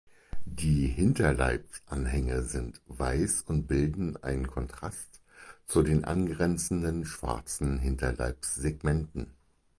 Die Hinterleibsanhänge sind weiß und bilden einen Kontrast zu den angrenzenden schwarzen Hinterleibssegmenten.